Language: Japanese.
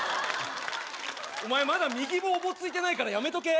お前まだ右もおぼついてないからやめとけ